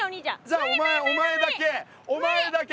じゃあお前お前だけお前だけ！